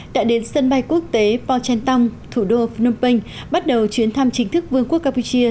đã đến sân bay quốc tế pochentong thủ đô phnom penh bắt đầu chuyến thăm chính thức vương quốc campuchia